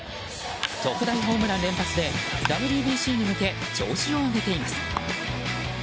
特大ホームラン連発でＷＢＣに向け調子を上げています。